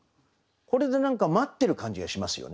これで何か待ってる感じがしますよね。